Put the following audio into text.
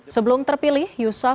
sebelum terpilih yusof menang